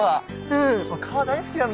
うん。